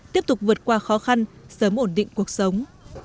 tiếp tục vượt qua khó khăn sớm ổn định cuộc sống